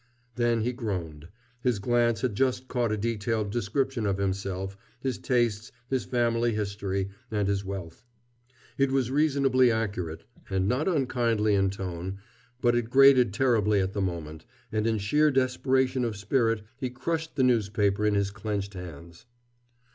Then he groaned. His glance had just caught a detailed description of himself, his tastes, his family history, and his wealth. It was reasonably accurate, and not unkindly in tone, but it grated terribly at the moment, and in sheer desperation of spirit he crushed the newspaper in his clenched hands.